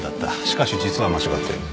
しかし実は間違っている。